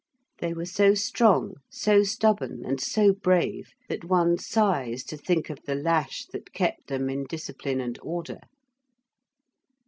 They were so strong, so stubborn, and so brave, that one sighs to think of the lash that kept them in discipline and order.